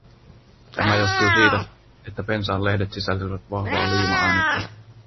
Tämä johtui siitä, että pensaan lehdet sisälsivät vahvaa liima-ainetta.